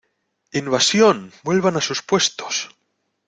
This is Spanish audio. ¡ Invasión! ¡ vuelvan a sus puestos !